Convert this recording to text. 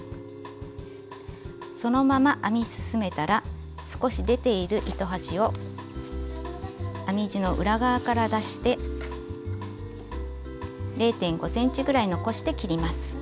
そのまま編み進めたら少し出ている糸端を編み地の裏側から出して０．５ｃｍぐらい残して切ります。